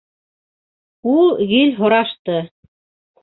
У гел һорашты.